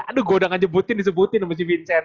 aduh gue udah nggak nyebutin disebutin sama si vincent